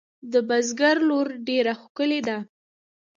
د بزگر لور ډېره ښکلې ده.